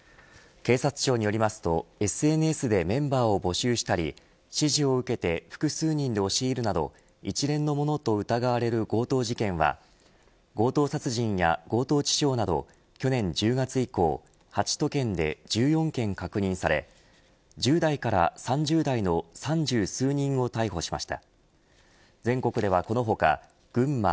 警察庁によりますとＳＮＳでメンバーを募集したり指示を受けて複数人で押し入るなど一連のものと疑われる強盗事件は強盗殺人や強盗致傷など去年１０月以降８都県で１４件確認され１０代から３０代の３０数人を逮捕しました。